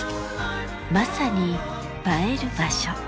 まさに映える場所。